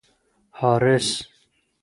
حارث